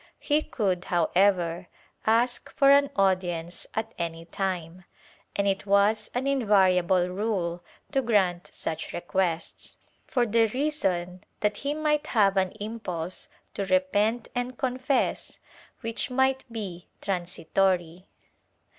He could, however, ask for an audience at any time, and it was an invariable rule to grant such requests, for the reason that he might have an impulse to repent and confess which might be transitory.